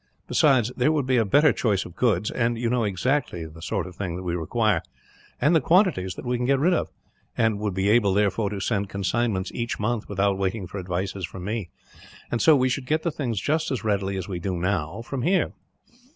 Besides, there would be a better choice of goods, and you know exactly the sort of thing that we require, and the quantities that we can get rid of; and would be able, therefore, to send consignments each month, without waiting for advices from me; and so we should get the things just as readily as we do now, from here.